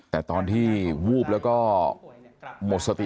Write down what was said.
แต่ตอนที่วูบแล้วก็หมดสติ